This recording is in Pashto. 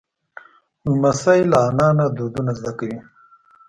لمسی له نیا نه دودونه زده کوي.